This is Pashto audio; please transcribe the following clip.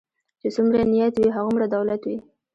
چی څومره نيت وي هغومره دولت وي .